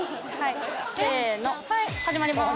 せの始まります。